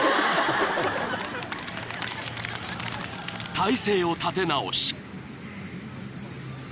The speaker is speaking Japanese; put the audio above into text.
［体勢を立て直し］